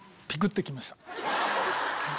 ピク！って来ました。